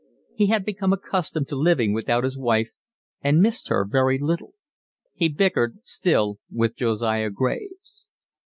He had become accustomed to living without his wife and missed her very little. He bickered still with Josiah Graves.